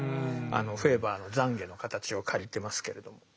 あのフェーバーの懺悔の形を借りてますけれども。